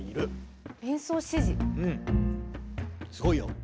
すごいよ。